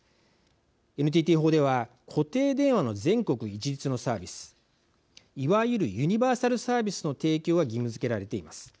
ＮＴＴ法では、固定電話の全国一律のサービスいわゆるユニバーサルサービスの提供が義務づけられています。